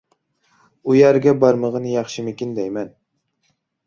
ئۇ يەرگە بارمىغىنى ياخشىمىكىن دەيمەن.